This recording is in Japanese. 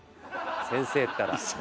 先生ったら。